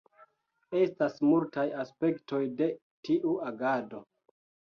Estas multaj aspektoj de tiu agado.